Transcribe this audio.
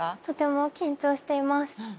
とても緊張しています。